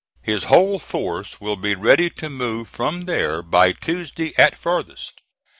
His whole force will be ready to move from there by Tuesday at farthest.